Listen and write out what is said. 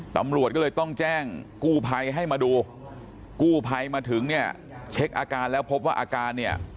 ตำรวจก็เลยต้องแจ้งกู้ภัยให้มาดูกู้ภัยมาถึงเนี่ยเช็คอาการแล้วพบว่าอาการเนี่ย